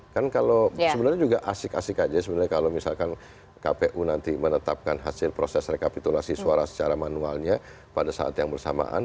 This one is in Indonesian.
kan kalau sebenarnya juga asik asik aja sebenarnya kalau misalkan kpu nanti menetapkan hasil proses rekapitulasi suara secara manualnya pada saat yang bersamaan